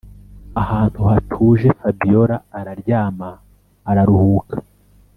ahantu hatuje fabiora araryama araruhuka.